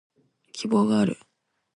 希望がある